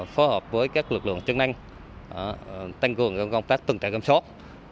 phối hợp với các lực lượng chứng năng tăng cường công tác tuần tra kiểm soát